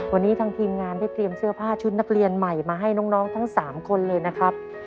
วันนี้ทางทีมงานได้เตรียมเสื้อผ้าชุดนักเรียนใหม่มาให้น้องทั้ง๓คนเลยนะครับ